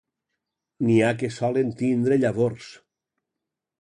N'hi ha que solen tindre llavors.